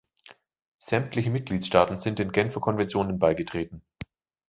Sämtliche Mitgliedstaaten sind den Genfer Konventionen beigetreten.